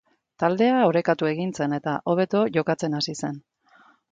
Taldea orekatu egin zen eta hobeto jokatzen hasi zen.